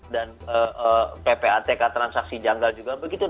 dan ppatk transaksi janggal juga begitu